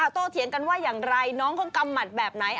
โต้เถียงกันว่าอย่างไรคุณผู้หญิงกำหมัดแบบไหน